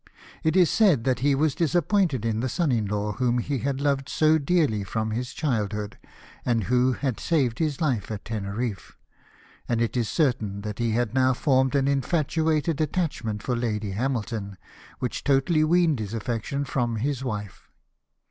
It is said that he was disappointed in the son in law whom he had loved so dearly from his childhood, and who had saved his life at Teneriffe ; and it is certain that he had now formed an infatuated attachment for Lady Hamilton, which totally weaned his affections from his wife.